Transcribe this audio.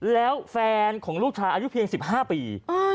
แล้วแฟนของลูกชายอายุเพียง๑๕ปี